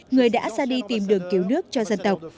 người đã ra đi tìm đường cứu nước cho dân tộc